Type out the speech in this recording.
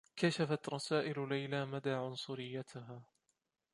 كشفت رسائل ليلى مدى عنصريّتها.